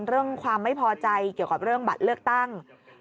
เรื่องความไม่พอใจเกี่ยวกับเรื่องบัตรเลือกตั้ง